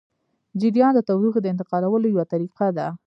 جریان د تودوخې د انتقالولو یوه طریقه ده.